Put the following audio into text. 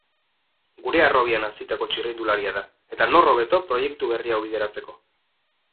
Gure harrobian hazitako txirrindularia da, eta nor hobeto proiektu berri hau bideratzeko.